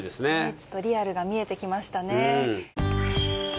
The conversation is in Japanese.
ちょっとリアルが見えてきましたね。